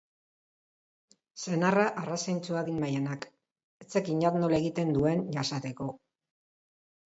Senarra arras zaintsua din Maianak, ez zekinat nola egiten duen jasateko.